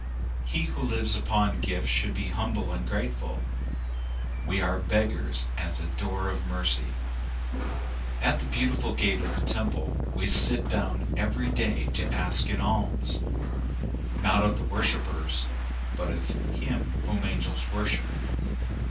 He who lives upon gifts should be humble and grateful. We are beggars at the door of mercy. At the beautiful gate of the Temple we sit down every day to ask an alms, not of the worshippers, but of him whom angels worship.